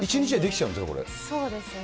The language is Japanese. そうですね。